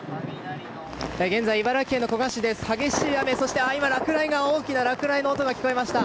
現在、茨城県の古河市で激しい雨、そして今大きな落雷の音が聞こえました。